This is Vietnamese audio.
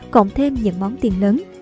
cộng thêm những món tiền lớn